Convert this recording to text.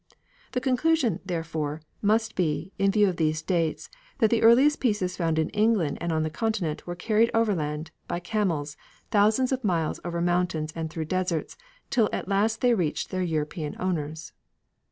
The conclusion, therefore, must be, in view of these dates, that the earliest pieces found in England and on the Continent were carried overland, by camels, thousands of miles over mountains and through deserts, till at last they reached their European owners.